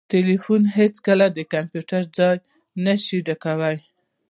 ټلیفون هیڅکله د کمپیوټر ځای نسي ډکولای